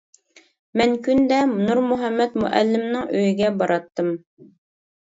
مەن كۈندە نۇرمۇھەممەت مۇئەللىمنىڭ ئۆيىگە باراتتىم.